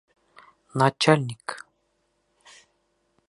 Начальник!